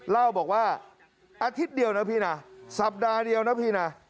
เล่าบอกว่าอาทิตย์เดียวนะพี่นะสัปดาห์เดียวนะพี่นะ